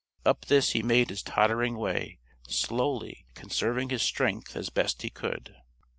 Up this he made his tottering way, slowly; conserving his strength as best he could.